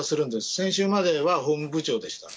先週までは法務部長でした。